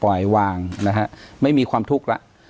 วางนะฮะไม่มีความทุกข์แล้ว